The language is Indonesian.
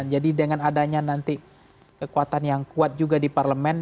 dengan adanya nanti kekuatan yang kuat juga di parlemen